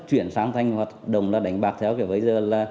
chuyển sang thành hoạt động là đánh bạc theo cái bây giờ là